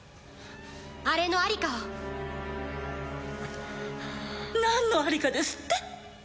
あれのありかを何のありかですって？